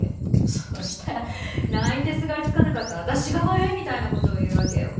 そしたら「泣いてすがりつかなかった私が悪い」みたいな事を言うわけよ。